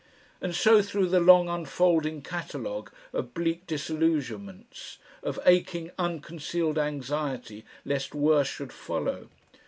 and so through the long unfolding catalogue of bleak disillusionments, of aching, unconcealed anxiety lest worse should follow.